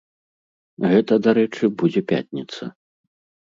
Гэта, дарэчы, будзе пятніца.